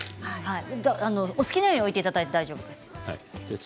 お好きなように置いていただいて大丈夫です。